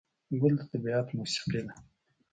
ګل د طبیعت موسیقي ده.